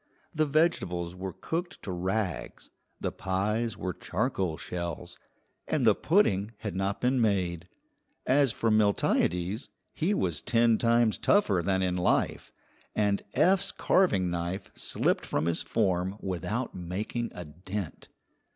The vegetables were cooked to rags, the pies were charcoal shells, and the pudding had not been made. As for Miltiades, he was ten times tougher than in life, and Eph's carving knife slipped from his form without making a dent.